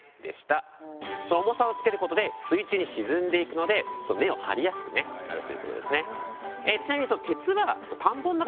重さをつけることで水中に沈んでいくので根を張りやすくなるということですね。